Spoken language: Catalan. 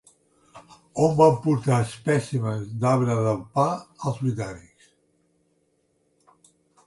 On van portar espècimens d'arbre del pa els britànics?